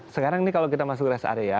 sekarang ini kalau kita masuk res area